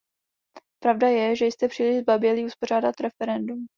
Pravda je, že jste příliš zbabělí uspořádat referendum.